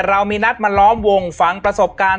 เรามีนัดมาล้อมวงฝังประสบการณ์